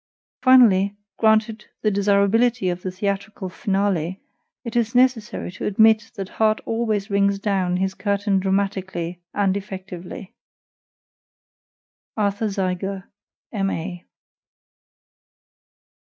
Finally, granted the desirability of the theatric finale, it is necessary to admit that Harte always rings down his curtain dramatically and effectively. ARTHUR ZEIGER, M.A.